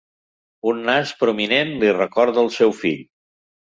Un nas prominent li recorda el seu fill.